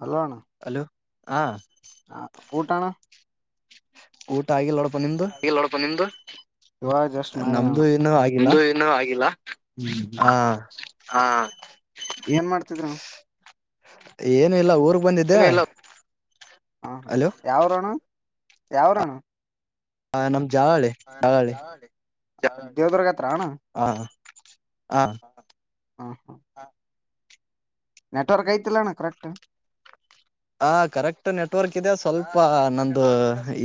Hello hello ಹಾ ಹ ಊಟ ಅಣ್ಣ ಊಟ ಆಗಿಲ್ಲ ನೋಡಪ ನಿಮ್ದು ಹಾಗಲ್ಲ ನೋಡಪ ನಿಮ್ದು ಇವಾಗ ಜಸ್ಟ್ ಮಾಡಿದೆ ನಮ್ದು ಅಣ್ಣ ಇನ್ನೂ ಆಗಿಲ್ಲ ನಿಂದು ಇನ್ನೂ ಆಗಿಲ್ಲ ಹ ಹ ಏನ್ ಮಾಡ್ತಿದ್ರು ಅಣ್ಣ ಏನು ಇಲ್ಲ ಊರ್ಗ್ ಬಂದಿದ್ದೆ ಅಲೋ ಯಾವ್ರಣ್ಣ ಯಾವ್ರಣ್ಣ ಆ ನಮ್ ಜಾಳೆ ಜಾಲಲಿ ದೇವದುರ್ಗ ಅತ್ರ ಅಣ್ಣ ಹ ಹ ಹ ಹಾ ನೆಟ್ವರ್ಕ್ ಐತಿಲ್ಲಣ ಕರೆಕ್ಟ್ ಹ ಕರೆಕ್ಟ್ ನೆಟ್ವರ್ಕ್ ಇದೆ ಸ್ವಲ್ಪ ನಂದು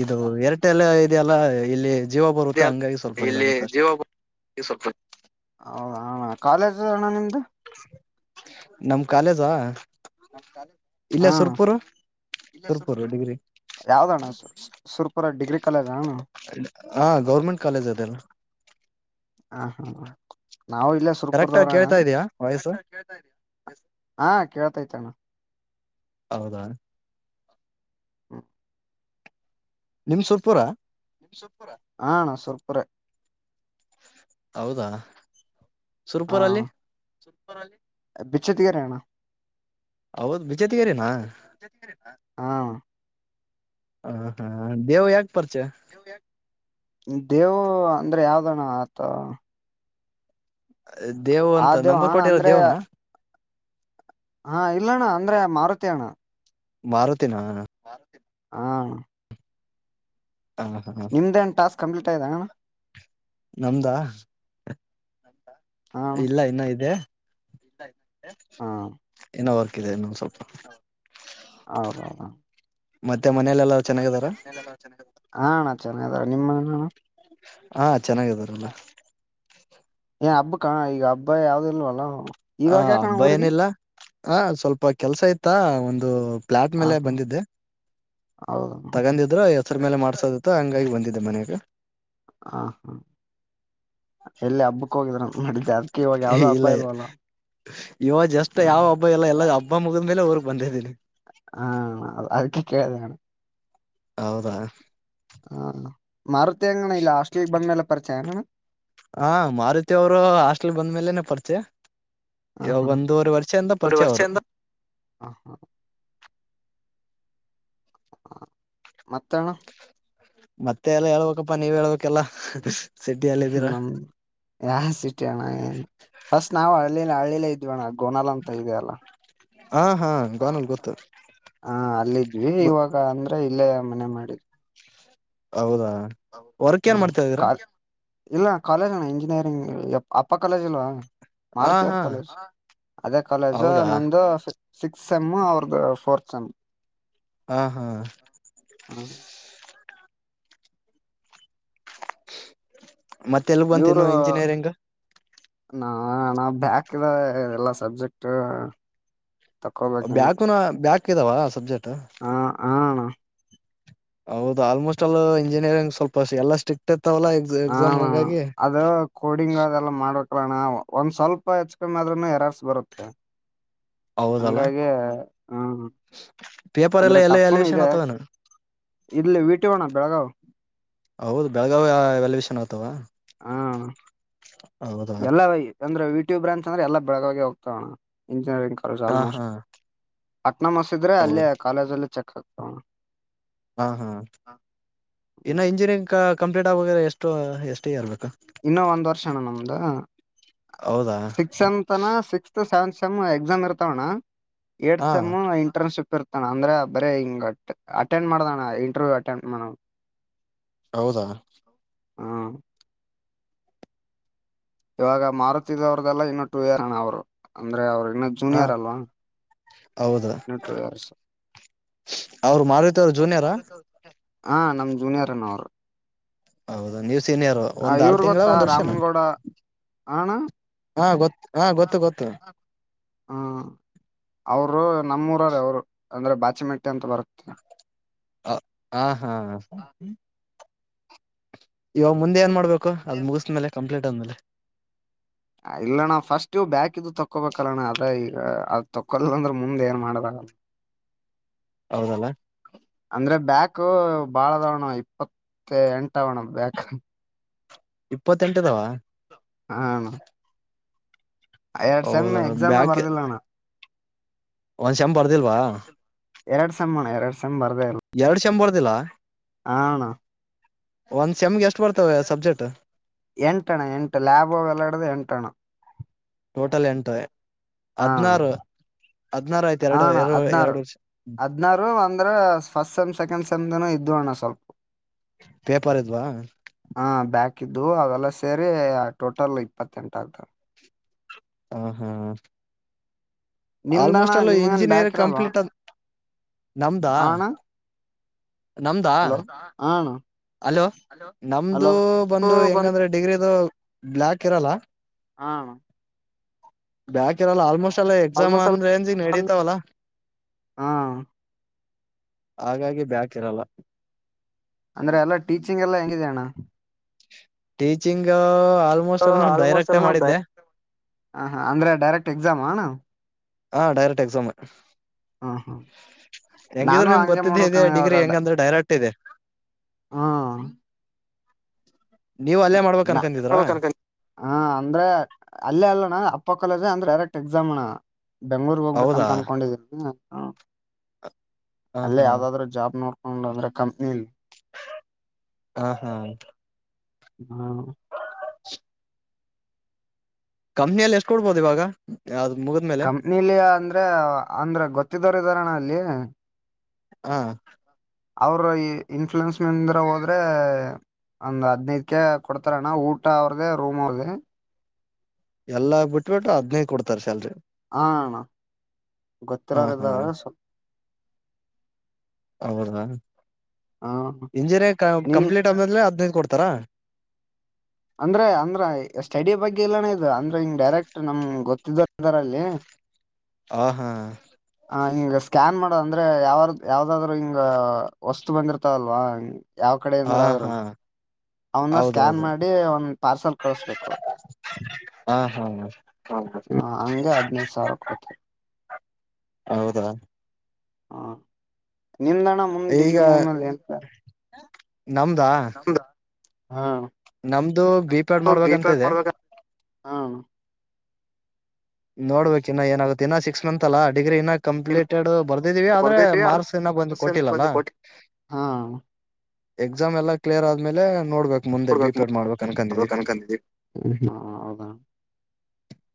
ಇದು ಏರ್ಟೆಲ್ ಇದೆಯಲ್ಲ ಇಲ್ಲಿ ಜೀವ ಬರುತ್ತೆ ಹಂಗಾಗಿ ಸ್ವಲ್ಪ ಇದಾಗುತ್ತೆಷ್ಟೆ. ಹೌದಣ ಕಾಲೇಜ್ ಅಣ್ಣ ನಿಮ್ದು. ನಮ್ ಕಾಲೇಜಾ ಹ ಇಲ್ಲಯ ಅಣ್ಣ ಸುರ್ಪೂರು ಸುರ್ಪುರು ಡಿಗ್ರಿ. ಯಾವ್ದಣ್ಣ ಸುರ್ಪುರ ಡಿಗ್ರಿ ಕಾಲೇಜ್ ಅಣ್ಣ ಹಾ ಗೌರ್ಮೆಂಟ್ ಕಾಲೇಜ್ ಅದೆಲ್ಲ ಹ ಹಾ ನಾವು ಇಲ್ಲೇ ಕರೆಕ್ಟ್ ಆಗಿ ಸುರ್ಪುರ್ದವರು ಕೇಳ್ತಾ ಅಣ್ಣ ಇದಯಾ ವಾಯ್ಸ್ ಹಾ ಕೇಳ್ತೈತ ಅಣ್ಣ ಹೌದಾ ಹ್ಮ ನಿಮ್ ಸುರ್ಪುರ ಸುಪೂರ ಹ ಅಣ್ಣ ಸುಪೂರ ಹೌದಾ ಸುರ್ಪುರಲ್ಲಿ ಹ ಬಚ್ಚಿತಿರಣ್ಣ ಹೌದು ಬಿಚ್ಚಿತ್ತೀರೆನೋ [unintelligible] ಹಾ ಹ ಹೌದ ದೇವ್ ಯಾಗ್ ಪರಿಚಯ ದೇವ್ ಅಂದ್ರೆ ಯಾವ್ದಣ್ಣ ಆತೂ ದೇವ್ ಆ ಅಂತ ದೇವ್ ನಂಬರ್ ಅಣ್ಣ ಕೊಟ್ಟಿರೋ ಅಂದ್ರೆ ದೇವ್ನ ಹಾ ಇಲ್ಲ ಅಣ್ಣ ಅಂದ್ರೆ ಮಾರುತಿ ಅಣ್ಣ ಮಾರುತಿನ ಮಾರುತಿ ಹಾ ಹಾ ನಿಮ್ದೇ ಏನ್ ಟಾಸ್ಕ್ ಕಂಪ್ಲೀಟ್ ಆಯ್ದಣ್ಣ ನಮ್ದಾ ಹ ಇಲ್ಲ ಇನ್ನ ಇದೆ. [unintelligible] ಹಾ ಕೀಲೆ ನೋವು ಸ್ವಲ್ಪ. [unintelligible] ಹೌದು ಹೌದೌದು. ಮತ್ತೆ ಮನೆಲೆೆಲ್ಲ. ಮತ್ತೆ ಮನೆಯಲ್ಲಿ ಎಲ್ಲಾ ಚೆನ್ನಾಗಿದ್ದರ ಆ ಅಣ್ಣ ಚೆನ್ನಾಗಿದ್ದಾರಣ್ಣ ಹಾ ಚೆನ್ನಾಗಿದಾರೆ ಎಲ್ಲಾ ಏ ಹಬ್ಬಕ ಈಗ ಹಬ್ಬ ಯಾವ್ದು ಇಲ್ವಲ್ಲ. ಹ ಇವಾಗ ಯಾಕಣ ಹಬ್ಬ ಊರಿಗೆ ಏನಿಲ್ಲ ಹ ಸ್ವಲ್ಪ ಕೆಲಸ ಇತ್ತ ಒಂದು ಫ್ಲಾಟ್ ಹ ಮೇಲೆ ಹಾ ಬಂದಿದ್ದೆ ಹೌದ ಹ ತಗಂದಿದ್ ಇದ ಹೆಸರು ಮೇಲೆ ಮಾಡ್ಸೋದಿತ್ತ ಹಂಗಾಗಿ ಬಂದಿದೆ ಮನೆಗ. ಹ ಹಾ ಎಲ್ಲಿ ಹಬ್ಬಕ್ ಹೋಗಿದ್ರೆ ನಡಿದ್ದ ಅದ್ಕೆ ಇವಾಗ ಯಾವ್ದೋ ಹಬ್ಬ ಇಲ್ವಲ್ಲ. ಇವಾ ಜಸ್ಟ್ ಹಾ ಯಾವ ಹಬ್ಬ ಇಲ್ಲ ಎಲ್ಲ ಹಬ್ಬ ಮುಗಿದ ಮೇಲೆ ಊರಿಗೆ ಬಂದಿದ್ದೀನಿ. ಹ ಅದಕ್ಕೆ ಕೇಳದೆ ಅಣ್ಣ ಹೌದಾ. ಹಾ ಮಾರುತಿ ಯಗಣ್ಣ ಇಲ್ಲಿ ಹಾಸ್ಟಲ್ಗೆ ಬಂದ್ಮೇಲೆ ಪರಿಚಯಣ್ಣ. ಹ ಮಾರುತಿ ಅವರು ಹಾಸ್ಟೆಲ್ಗೆ ಬಂದ ಮೇಲೆನೆ ಪರಿಚಯ. ಹ ಇವಾಗ ಒಂದೂವರೆ ವರ್ಷ ಇಂದ ಪರಿಚಯ ಅವರು. ಹಾ ಹಾ ಹ ಮತ್ತೆ ಅಣ್ಣ ಮತ್ತೆ ಎಲ್ಲ ಹೇಳ್ಬೇಕಪ್ಪ ನೀವ್ ಹೇಳ್ಬೇಕೆಲ್ಲ ಸಿಟಿಯಲ್ಲಿ ಇದ್ದೀರಾ. ಯಾ ಸಿಟಿ ಅಣ್ಣ ಏನ್ ಫಸ್ಟ್ ನಾವು ಹಳ್ಳಿಲೇ ಹಳ್ಳಿಲೇ ಇದ್ ದಿವಿ ಅಣ್ಣ ಗೋನಾಲ್ ಅಂತ ಇದೆ ಅಲ್ಲ. ಹಾ ಹಾ ಗೋನಲ್ ಗೊತ್ತು ಹಾ ಅಲ್ಲಿದ್ವಿ ಇವಾಗ ಅಂದ್ರೆ ಇಲ್ಲೇ ಮನೆ ಮಾಡಿದ್ ಹೌದಾ ವರ್ಕ್ ಏನ್ ಹ ಮಾಡ್ತಾ ಇದೀರಾ ಕಾಲ್‌ ಇಲ್ಲ ಕಾಲೇಜ್ ಅಣ್ಣ ಇಂಜಿನಿಯರಿಂಗ್ ಅಪ್ಪ ಕಾಲೇಜ್ ಅಲ್ವಾ. ಹ ಮಾರುತಿ ಅವರ್ ಹಾ ಕಾಲೇಜು ಅದೇ ಕಾಲೇಜು ಹೌದಾ ನಂದು ಶ್ ಸಿಕ್ಸ್ ಸೇಮ್ ಅವ್ರದ್ ಪೋರ್ತ್ ಸೇಮ್. ಹಾ ಹಾ ಹಾ [unintelligible] ಮತ್ತೆ ಎಲ್ ಬಂತ ಇವರು ನ ಇಂಜಿನಿಯರಿಂಗ್ ನಾ ನಾ ಬ್ಯಾಕ್ದ ಎಲ್ಲಾ ಸಬ್ಜೆಕ್ಟ್ ತಕೋಬೇಕಿನ್ನು ಬ್ಯಾಕುನ ಬ್ಯಾಕ್ ಇದಾವ ಸಬ್ಜೆಕ್ಟ್. ಹ ಹ. ಹೌದ ಆಲ್ಮೋಸ್ಟ್ ಅಲ್ಲಿ ಇಂಜಿನಿಯರಿಂಗ್ ಸ್ವಲ್ಪಷ್ಟ ಎಲ್ಲ ಸ್ಟ್ರಿಕ್ಟ್ ಇತ್ತವಲ್ಲ ಎ ಎಕ್ಸಾಮ್ ಹಣ ಹಂಗಾಗಿ. ಅದು ಕೋಡಿಂಗ್ ಅದೆಲ್ಲ ಮಾಡ್ಬೇಕಲಣ್ಣ ಒಂದ್ ಸ್ವಲ್ಪ ಹೆಚ್ಚುಕಮ್ಮಿ ಆದ್ರೂ ಎರಾರ್ಸ್ ಬರುತ್ತೆ ಹೌದಲ್ಲ ಹಂಗಾಗಿ ಹ್ಮ ಪೇಪರ್ ಎಲ್ಲ ಅಂದ್ರೆ ಎಲ್ಲ ಟಫ್ನು ವ್ಯಾಲ್ಯೇನ್ ಇದೆ ಆತವ ನ ಇಲ್ಲಿ ವಿಟುವಣ್ಣ ಬೆಳಗಾವ್ ಹೌದು ಬೆಳಗಾವಿ ವೆಲ್ವಿಷನ್ ಆಗ್ತವಾ ಹ ಎಲ್ಲ ವ ಅಂದೆ ವಿ ಟು ಬ್ರಾಂಚ್ ಅಂದ್ರೆ ಎಲ್ಲ ಬೆಳಗವ್ ಗೆ ಹೋಗತಾವಣ ಇಂಜಿನಿಯರಿಂಗ್ ಕಾಲೇಜ್ ಹಾ ಹಾ ಆಲ್ಮೋಸ್ಟ್ ಪಟ್ಣ ಮುಸಿದ್ರೆ ಹೌದು ಅಲ್ಲೇ ಕಾಲೇಜಲ್ಲ ಚೆಕ್ ಆಗ್ತಾವ ಹಾಂ ಹಾಂ ಇನ್ನುೂ ಇಂಜಿನಿಯರಿಂಗ್ ಕ ಕಂಪ್ಲೀಟ್ ಆಗಾಗ್ರೆ ಎಷ್ಟು ಎಷ್ಟು ಇಯರ್ ರ್ಬೇಕು ಇನ್ನೊ ಒಂದ್ ವರ್ಷಣ ನಮ್ದ ಹೌದಾ six sixth seventh sem exam ಇರ್ತವಣ್ಣ ಏತ್ ಹಾ ಸೆಮ್ ಇಂಟರ್ನ್ಶಿಪ್ ಇರ್ತಾನ ಅಂದ್ರೆ ಬರೀ ಹಿಂಗ ಅಟೆಂಡ್ ಮಾಡಣ ಇಂಟರ್ವ್ಯೂ ಅಟೆಂಡ್ ಮಾಡ ಹೌದಾ ಹಾ ಇವಾಗ ಮಾರತಿದ್ದವ್ರದೆಲ್ಲ ಇನ್ನೊ ಟು ಇಯರ್ ಅಣ ಅವ್ರು ಅಂದ್ರೆ ಅವರು ಇನ್ನೊ ಜೂನಿಯರ್ ಅಲ್ವಾ ಹೌದಾ ಇನ್ನು ಟೂ ಇಯರ್ಸ್ ಅವ್ರು ಮಾರತವರು ಜೂನಿಯರಾ ಹಾ ನಮ್ ಜೂನಿಯರ್ ಅನ್ನ ಅವ್ರು ಹೌದ ನೀವು್ ಸೀನಿಯರ್ ಒಂದ್ ಆರು ತಿಂಗಳ ಒಂದ್ ವರ್ಷನ ಆಣ ಹಾ ಗೊತ್ತು ಹಾ ಗೊತ್ತು ಗೊತ್ತು ಹಾ ಅವರು ನಮ್ಮೂಊರರ ಅವ್ರು ಅಂದ್ರೆ ಬಾಚಿಮೆಟ್ಟಿ ಅಂತ ಬರುತ್ತ ಹ ಹಾ ಇವಾಗ ಮುಂದ ಏನ್ ಮಾಡ್ಬೇಕು ಅದು್ ಮುಗಿಸ್್ಮಲೆ ಕಂಪ್ಲೀಟ್ ಆದ್ಮೇಲೆ ಇಲ್ಲಣ್ಣ ಫಸ್ಟ್ ಬ್ಯಾಕು ತಕ್ಕೊೋಬೇಕಲ್ಲಣ್ಣ ಆದ್ರ ಈಗ ಅದ್ ತೊೋಲ್ಲ ಅಂದ್ರೆ ಮುಂದ್ ಏನ್ ಮಾಡದಾಗ ಹೌದಲ್ಲಾ ಅಂದ್ರೆ ಬ್ಯಾಕ್ ಬಾಳದ್ಣ ಇಪ್ಪತ್ತ ಎಂಟ ಅವಣ ಬ್ಯಾಕ್ ಇಪ್ಪತ್ತೆಂಟುದಾವ ಹ ಎರಡ್ ಸೆಮ್ ಹೌದ ಎಕ್ಸಾಮ ಬರ್ದಿಲ್ಲ ನಾ. ಒಂದ ಶಂಬರ್ [unintelligible] ಎರಡ್ ಸೆಮ್ ಅಣ ಎರಡ್ ಸೆಮ್ ಬರ್ದೇ ಇಲ್ಲ ಎರಡ್ ಶಂಬರ್ದಿಲ್ಲಾ. ಆಣ ಒಂದ್ ಸೆಮ್ಗೆ ಎಷ್ಟು ಬರ್ತವೆ ಸಬ್ಜೆಕ್ಟ್. ಎಂಟಣ್ಣ ಎಂಟು ಲ್ಯಾಬ್ ಅವೆಲ್ಲ ಇಡಿದು ಎಂಟಣ. ಟೋಟಲ್ ಎಂಟು ಹ ಹದ್ನಾರು ಹ ಹದ್ನಾರು ಆಯ್ತು ಎರಡು ಅಣ್ಣ ಎರಡು ಹದ್ನಾರು ಎರಡು ವರ್ಷ. ಹದ್ನಾರು ಅಂದ್ರ ಫಸ್ಟ್ ಸೆಮ್ ಸೆಕೆಂಡ್ ಸೆಮ್ ಇದ್ವು ಅಣ್ಣ ಸ್ವಲ್ಪ. ಪೇಪರ್ ಇದ್ವಾ. ಹ ಬ್ಯಾಕ್ ಇದ್ವು ಅವೆಲ್ಲ ಸೇರಿ ಟೋಟಲ್ ಇಪ್ಪತ್ತೆಂಟ ಆಗ್ತಾವ. ಹ ಹಾ ನಿಮ್ದಣ ಆಲ್ಮೋಸ್ಟ್ ಅಲ್ಲೂ ನಿಮ್ಗನ್ ಇಂಜಿನಿಯರ್ ಬ್ಯಾಕ್ ಇರಲ್ವಾ ಕಂಪ್ಲೀಟ್ ಅ ನಮ್ದಾ. ಆ ಅಣ್ಣ ನಮ್ದಾ ಹಲೋ ಆ ಅಣ್ಣ ಅಲೋ ನಮ್ದು ಹಲೋ ಬಂದು ಹೆಂಗಂದ್ರೆ ಡಿಗ್ರಿದು ಬ್ಲ್ಯಾಕ್ ಇರಲ್ಲ ಹಾ ಬ್ಯಾಕ ಇರಲ್ಲ ಆಲ್ಮೋಸ್ಟ್ ಎಲ್ಲ ಎಕ್ಸಾಮ್ ಅಂದ್ರ ಏನ್ಗ ನೆಡಿತಾವಲ್ಲ ಹಾ ಹಾಗಾಗಿ ಬ್ಯಾಕಿರಲ್ಲ ಅಂದ್ರೆ ಎಲ್ಲ ಟೀಚಿಂಗ ಎಲ್ಲ ಹೆಂಗಿದ ಅಣ್ಣ ಟೀಚಿಂಗ್ ಆಲ್ಮೋಸ್ಟ್ ಎಲ್ಲ ನಮ ಡೈರೆಕ್ಟೇ ಮಾಡಿದ್ದೆ ಹ ಹಾ ಅಂದ್ರೆ ಡೈರೆಕ್ಟ್ ಎಕ್ಸಾಮಾ ಹಾ ಡೈರೆಕ್ಟ್ ಎಕ್ಸಾಮ್. ಹಾ ಹಾ ಹೆಂಗಿದ್ರು ನಾನು ನಿಮ್ಗೆ ಹಂಗೆ ಗೊತ್ತಿದ್ದ ಇದೆ ಮಾಡ್ಬೇಕಣ ಡಿಗ್ರಿ ಹೆಂಗಂದ್ರೆ ಡೈರೆಕ್ಟ್ ಇದೆ. ಹ ನೀವ್ ಅಲ್ಲೇ ಮಾಡ್ಬೇಕ್ ಅನ್ಕೊಂಡಿದ್ರಾ [inaudible] ಹ ಅಂದ್ರೆ ಅಲ್ಲೇ ಅಲ್ಲಣ ಅಪ್ಪ ಕಾಲೇಜ ಅಂದ್ರೆ ಡೈರೆಕ್ಟ್ ಎಕ್ಸಾಮ್ ಅಣ. ಬೆಂಗ್ಳೂರ್ಗ್ ಹೌದಾ ಹೋಗ್ಬೇಕಂತ ಅನ್ಕೊಂಡಿದೀರಿ. ಹ ಅಲ್ಲೇ ಹಾ ಯಾವ್ದಾದ್ರೂ ಜಾಬ್ ನೋಡ್ಕೊಂಡು ಅಂದ್ರೆ ಕಂಪ್ನಿಲೀ. ಹಾ ಹಾ ಹ್ಮ ಹ ಕಂಪ್ನಿಯಲ್ಲಿ ಎಷ್ಟು ಕೊಡ್ಬೋದು ಇವಾಗ ಅವ್ ಮುಗಿದ್ಮೇಲೆ ನಿಲ್ಲಿ ಅಂದ್ರೆ ಅಂದ್ರೆ ಗೊತ್ತಿದ್ದೊರ್ ಇದಾರಣ ಅಲ್ಲಿ. ಹಾ ಅವ್ರ ಇನ್ಫ್ಲೂಯನ್ಸ್ ಮಂದ್ರ ಹೋದ್ರೆ ಒಂದ್ ಹದ್ನೈದಕ ಕೊಡ್ತಾರಣ್ಣ ಊಟ ಅವ್ರದ ರೂಮ್ ಅವ್ರದ ಎಲ್ಲ ಬಿಟ್ಬಿಟ್ಟು ಅದ್ನೇ ಕೊಡ್ತಾರೆ ಸ್ಯಾಲ್ರಿ ಹಾ ಹ ಗೊತ್ತಿರೋರ ಇದ ಹಾ ಸ್ವಲ್ಪ ಹೌದಾ ಹ ಇಂಜಿನಿಯರಿಂಗ್ ಕ ನಿಮ್ ಕಂಪ್ಲೀಟ್ ಆದಲೆ ಹದನೈದು ಕೊಡ್ತಾರಾ ಅಂದ್ರೆ ಅಂದ್ರ ಸ್ಟಡಿ ಬಗ್ಗೆ ಎಲ್ಲಾನ ಇದು ಅಂದ್ರ ಹಿಂಗ್ ಡೈರೆಕ್ಟ್ ನಮ್ ಗೊತ್ತಿದ ಇದಾರಲ್ಲಿ ಆ ಹಾ ಹ ಹಿಂಗ ಸ್ಕ್ಯಾನ್ ಮಾಡೋದ ಅಂದ್ರೆ ಯಾವ ಯಾವ್ದಾದ್ರರು ಹಿಂಗ ವಸ್ತು ಬಂದಿರ್ತಾವಲ್ವಾ ಹ ಯಾವ ಹ ಕಡೆೆಯಿಂದ್ರ ಆದ್ರು ಹಾ ಅವನ್ನ ಸ್ಕ್ಯಾನ್ ಹೌದೌದು ಮಾಡಿ ಅವನ್ ಪಾರ್ಸಲ್ ಕಳಸ್ಬೇಕು ಹಾ ಹಾ ಹಗೆ ಹದ್ನೈದು ಸಾವಿರ ಕೊಡ್ತವಿ ಹೌದಾ ಹಾ ನಿಮ್ದಣ ಮುಮ್ ಈಗ ಡಿಗ್ರಿ ಮುಮ್ನಲ್ಲಿ ಇಳ್ತ ನಮ್ದಾ ಹಾ ನಮದು ಬಿ ಪೆ ಮಾಡ್ಬೇಕ ಹ್ಮ ನೋಡ್ಬೇಕು ಇನ್ನ ಏನಾಗುತ್ತೆ ಇನ್ನ ಸಿಕ್ಸ್ ಮಂತ್ ಅಲ್ಲ ಡಿಗ್ರಿ ಇನ್ನ ಕಂಪ್ಲೀಟೆಡ್ ಬರ್ದಿದೀವಿ ಆದ್ರೆ ಮಾರ್ಕ್ಸ್ ಇಿನಾಗ ಬಂದು ಕೊಟ್ಟಿಲ್ಲಲ್ಲ ಹಾ ಎಕ್ಸಾಮ್ ಎಲ್ಲಾ ಕ್ಲಿಯರ್ ಆದ್ಮೇಲೆ ನೋಡ್ಬೇಕಕ್ ಮುಂದೆ ಬಿಪೇರ್ ಮಾಡ್ಬೇಕು ಅನ್ಕಂತಿದ್ರರಿ [unintelligible] ಹ ಹಾ ಹೌದಾ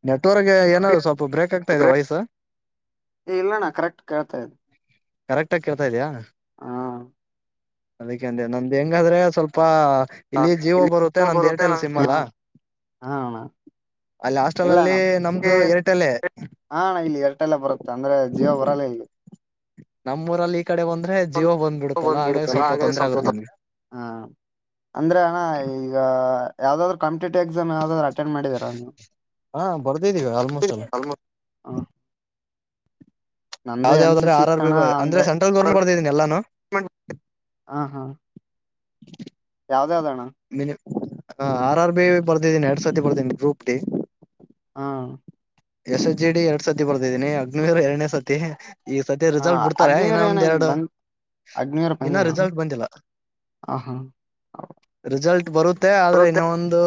ನೆಟ್ವರ್ಗ್ ಏನಾದ ಸ್ವಲ್ಪ ಬ್ರೇಕ್ ಆಗ್ತಾ ಇದೆ ವಾಯ್ಸ್ ಏ ಇಲ್ಲಣ್ಣ ಕರೆಕ್ಟ್ ಕೇಳ್ತಾ ಇದಿ ಕರೆಕ್ಟ್ ಆಗಿ ಕೇಳ್ತಾ ಇದೆಯಾ ಹಾ. ಅದಕ್ಕೆ ಅಂದೆ ನಮ್ದ್ ಹೆಂಗಾದ್ರೆ ಸ್ವಲ್ಪ ಇಲ್ಲಿ ಜೀವೋ ಬರುತ್ತೆ ನಮ್ದ್ ಏರ್ಟೆಲ್ ಸಿಮ್ ಹಾ ಅಲ್ಲಾ ಹಾ ಅಣ್ಣಾ ಅಲ್ಲಿ ಹಾಸ್ಟೆಲ್ ಅಲ್ಲಿ ನಮ್ದು ಎರ್ಟಲ್ಲೇ ಹಾ ಅಣ್ಣಾ ಇಲ್ಲಿ ಏರ್ಟೆಲ್ ಬರುತ್ತೆ ಅಂದ್ರೆ ಜಿಯೋ ಬರಲ್ಲ ಇಲ್ಲಿ ನಮ್ಮುಊರಲ್ಲಿ ಈ ಕಡೆ ಬಂದ್ರೆ ಜೀಯೊ ಬಂದ್ಬಿಡುತ್ತಲ್ಲ ಹಾಗಾಗಿ ಸ್ವಲ್ಪ ತೊಂದ್ರರೆ ಆಗುತ್ತೆ ನಮ್ಗೆ ಹಾ ಅಂದ್ರೆ ಅಣ್ಣ ಈಗ ಯಾವ್ದಾದ್ರೂ ಕಾಂಪಿಟೇಟಿವ್ ಎಕ್ಸಾಮ್ ಯಾವ್ದಾದ್ರೂ ಮಾಡಿದಿರಾ ಹಾ ಬರ್ದಿದೀವಿ ಆಲ್ಮೋಸ್ಟ್ ಅಲ್ಲ [unintelligible] ಯಾವ್ದ ಎನ್ ಸಿ ಯಾವ್ದಾದ್ರೆ ಸಿ ಆರ್ ಆರ್ ಬಿ ಇತ್ತಣ ಅಂದ್ರೆ ಸೆಂಟ್ರಲ್ ಗೋರ್ಮೆಂಟ್ ಬರ್ದಿದೀನಿ ಎಲ್ಲಾನು [unintelligible] ಯಾವ್ದ ಯಾವ್ದಣ್ಣ ಮಿನಿ ಹ ಆರ್ ಆರ್ ಬಿ ಬರ್ದಿದ್ದೀನಿ ಎರಡ್ ಸತಿ ಬರ್ದೀನಿ ಗ್ರೂಪ್ ಡಿ ಹಾ. ಎಸ್ ಎ ಜಿ ಡಿ ಎರಡ್ ಸತಿ ಬರ್ದಿದ್ದೀನಿ ಅಗ್ನೀವಿರ್ ಎರಡ್ನೇ ಸತಿ ಈ ಸತಿ ಹಾ ರಿಜಲ್ಟ್ ಬಿಡ್ತಾರೆ ಇನ್ನ ಅಗ್ನಿವೀರ್ ಏನ ಒಂದ ಎರಡು ಬಂದ್ ಅಗ್ನಿವೀರ್ ಇನ್ನ ಬಂದಿಲ್ಲಣ್ಣ ರಿಜಲ್ಟ್ ಬಂದಿಲ್ಲ ಹ ಹಾ. ರಿಜಲ್ಟ್ ಬರುತ್ತೆ ಆದ್ರೆ ಇನ್ನೊ ಒಂದು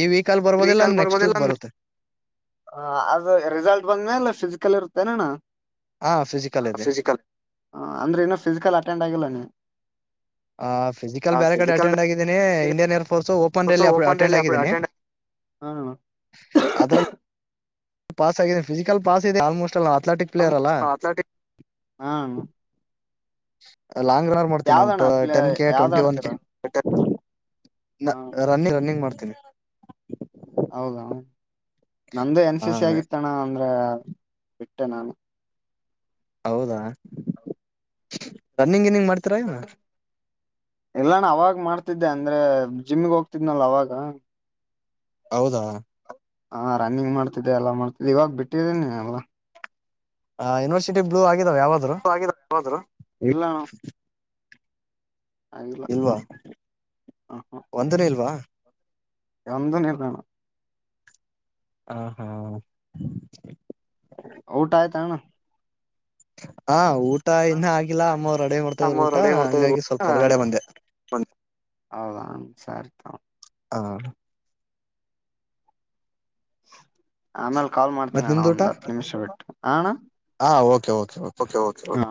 ಈ ವೀಕಲ್ಲಿ ಬರ್ಬೋದಿಲ್ಲ ಇಲ್ಲ ನೆಕ್ಸ್ಟ್ ವೀಕ್ ಬರುತ್ತೆ. ಹ ಅದು ರಿಜಲ್ಟ್ ಬಂದ್ಮೇಲೆ ಫಿಸಿಕಲ್ ಇರುತ್ತೇನಣ್ಣ ಹಾ ಫಿಸಿಕಲ್ [inaudible] ಇದೆ ಫಿಸಿಕಲ್ ಹ ಅಂದ್ರೆ ಇನ್ನು ಫಿಸಿಕಲ್ ಅಟೆಂಡ್ ಆಗಿಲ್ಲ ನೀ ಆ ಫಿಸಿಕಲ್ ಬ್ಯಾರಕಡೆ ಅಟೆಂಡ್ ಆಗಿದ್ದೀನಿ ಇಂಡಿಯನ್ ಏರ್ಫೋಸ್ ಓಪನ್ ರಲ್ಲಿ ಅಟೆಂಡ್ ಆಗಿದ್ದೀನಿ ಹಾ ಅಣ್ಣಾ [unintelligible] ಅದ್ರಲ್ಲಿ ಪಾಸ್ ಆಗಿದೆ ಫಿಸಿಕಲ್ ಪಾಸ್ ಇದೆ ಅಲ್ಮೊಸ್ಟಾಲ್ ಅಥ್ಲೆಟಿಕ್ಸ್ ಹ್ಮ ಅಥ್ಲೆಟಿಕ್ಸ್ ಹಾ ಅಣ್ಣಾ ಲಾಂಗ್ [unintelligible] ಮಾಡ್ತನಿ ನಾನ್ ಯಾವ್ದಣ್ಣ ಅಪ್ಲ ಟೆನ್ ಕೆ ಯಾವ್ದ್ ಟ್ವೆಂಟಿ ಒನ್ ಆಡ್ತೀರ ಕೆ ಹ [inaudible] ರನ್ನಿಂಗ್ ಮಾಡ್ತೀನಿ ಹೌದಾ ಅಣ್ಣಾ ನಮ್ದು ಎನ್ ಹ ಸಿ ಸಿ ಆಗಿತ್ತಣ ಅಂದ್ರ ಬಿಟ್ಟೆ ನಾನು ಹೌದಾ [inaudible] ರನ್ನಿಂಗ ಗಿನ್ನಿಂಗ್ ಮಾಡ್ತವಿ ಇಲ್ಲಾಣ್ಣ ಅವಾಗ ಮಾಡ್ತಿದ್ದೆ ಅಂದ್ರೆ ಜಿಮಗ್ ಹೋಗ್ತಿದ್ನಲ್ಲ ಅವಾಗ ಹೌದಾ. ಹಾ ರನ್ನಿಂಗ್ ಮಾಡ್ತಿದ್ದೆ ಎಲ್ಲಾ ಮಾಡ್ತಿದ್ದೆ ಇವಾಗ ಬಿಟ್ಟಿದ್ದೀನೀ ಎಲ್ಲಾ ಹ ಯೂನಿವರ್ಸಟಿ ಬ್ಲೂ ಆಗಾವ ಯಾವಾದ್ರೂ [unintelligible] ಇಲ್ಲಣ್ಣ ಇಲ್ವಾ ಹ [inaudible] ಒಂದನೇ ಇಲ್ವಾ ಒಂದುನು ಇಲ್ಲಣ್ಣ. ಹ ಹಾ. ಊಟ ಆಯ್ತಾ ಅಣ್ಣಾ. ಹಾ ಊಟ ಇನ್ನ ಆಗಿಲ್ಲ ಅಮ್ಮವ್ರು ರೆಡಿ ಮಾಡ್ತಾ ಇದ್ರು ಊಟ ಹಂಗಾಗಿ ಸ್ವಲ್ಪ ಹೊರ್ಗಡೆ ಬಂದೆ. [unintelligible] ಹೌದಾ ಸರಿ ತೊ ಸಾ. [unintelligible] ಆಮೇಲೆ ಕಾಲ್ ಮಾಡ್ತೀನಿ ಮತ್ ಅಣ್ಣ ನಿಮ್ದು ಊಟ ಒಂದ್ ಹತ್ತು ನಿಮಿಷ ಬಿಟ್ಟು ಹ ಅಣ್ಣ ಓಕೆ ಓ. ಹಾ.